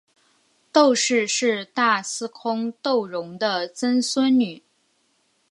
窦氏是大司空窦融的曾孙女。